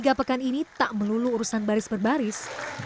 diklat selama tiga pekan ini tak melulu urusan baris per baris